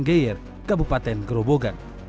geyer kabupaten gerobogan